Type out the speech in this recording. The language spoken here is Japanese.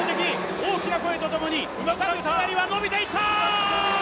大きな声とともに、やりは伸びていった。